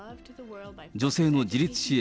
女性の自立支援